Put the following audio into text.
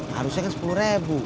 harusnya kan sepuluh ribu